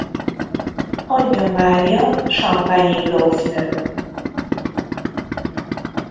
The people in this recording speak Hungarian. Anyja Mária champagne-i grófnő.